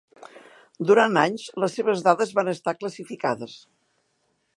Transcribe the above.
Durant anys les seves dades van estar classificades.